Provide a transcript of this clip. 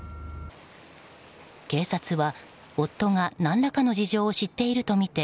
警察は、夫が何らかの事情を知っているとみて